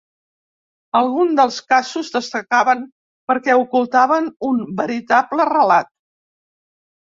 Alguns dels casos destacaven perquè ocultaven un veritable relat.